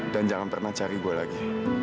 dan jangan pernah cari gue lagi